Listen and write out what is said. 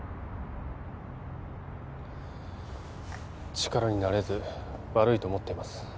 力になれず悪いと思っています